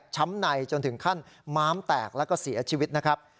ช้ำในจนถึงขั้นมามแตกและเสียชีวิตนะครับ